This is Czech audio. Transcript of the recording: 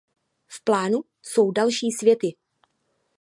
V plánu jsou další světy.